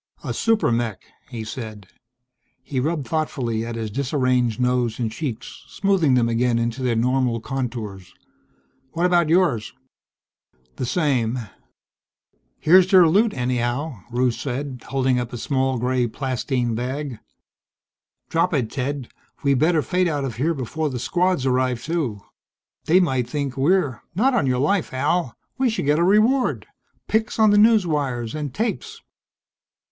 "A super mech!" he said. He rubbed thoughtfully at his disarranged nose and cheeks, smoothing them again into their normal contours. "What about yours?" "The same." "Here's their loot, anyhow," Rusche said, holding up a small gray plastine bag. "Drop it, Ted. We better fade out of here before the Squads arrive, too. They might think we're " "Not on your life, Al. We should get a reward. Pics on the newswires and tapes."